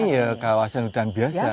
ini ya kawasan hutan biasa